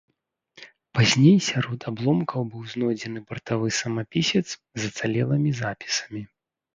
Пазней сярод абломкаў быў знойдзены бартавы самапісец з ацалелымі запісамі.